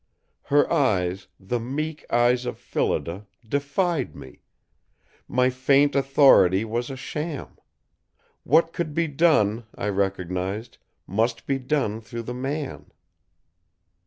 Her eyes, the meek eyes of Phillida, defied me. My faint authority was a sham. What could be done, I recognized, must be done through the man.